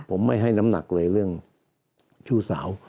ผมไม่ให้น้ำหนักเลยเรื่องชู้สาว